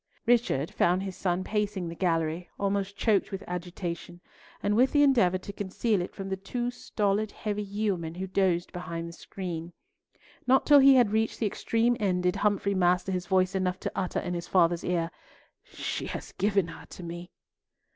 Richard found his son pacing the gallery, almost choked with agitation, and with the endeavour to conceal it from the two stolid, heavy yeomen who dozed behind the screen. Not till he had reached the extreme end did Humfrey master his voice enough to utter in his father's ear, "She has given her to me!"